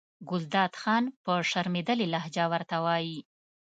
ګلداد خان په شرمېدلې لهجه ورته وایي.